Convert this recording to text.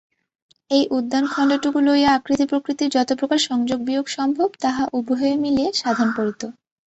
এই উদ্যানখণ্ডটুকু লইয়া আকৃতি প্রকৃতির যতপ্রকার সংযোগবিয়োগ সম্ভব, তাহা উভয়ে মিলিয়া সাধন করিত।